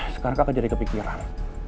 sekarang kakak jadi kepikiran